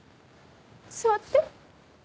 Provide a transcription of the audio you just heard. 座って。